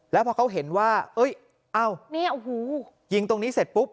แล้วพอเขาเห็นว่าเอ้ยอ้าวเนี่ยโอ้โหยิงตรงนี้เสร็จปุ๊บ